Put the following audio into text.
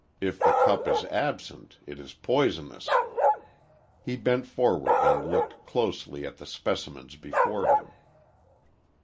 If the cup is absent, it is poisonous._'" He bent forward and looked closely at the specimens before him.